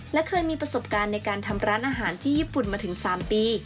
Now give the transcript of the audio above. และเคยมีประสบการณ์ในการทำร้านอาหารที่ญี่ปุ่นมาถึง๓ปี